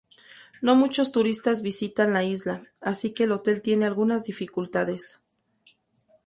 No muchos turistas visitan la isla, así que el hotel tiene algunas dificultades.